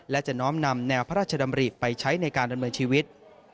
และจะน้อมนำแนวพระราชดำริไปใช้ในการดำเนินชีวิต